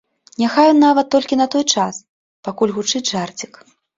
Няхай нават толькі на той час, пакуль гучыць жарцік.